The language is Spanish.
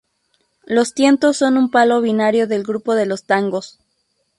Los tientos son un palo binario del grupo de los tangos.